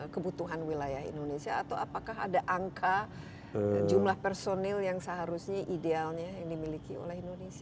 kebutuhan wilayah indonesia atau apakah ada angka jumlah personil yang seharusnya idealnya yang dimiliki oleh indonesia